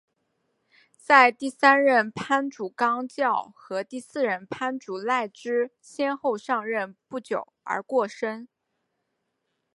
在第三任藩主纲教和第四任藩主赖织先后上任不久而过身。